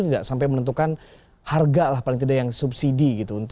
tidak sampai menentukan harga lah paling tidak yang subsidi gitu